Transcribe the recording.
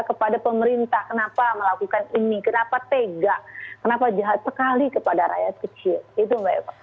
kepada pemerintah kenapa melakukan ini kenapa tega kenapa jahat sekali kepada rakyat kecil itu mbak eva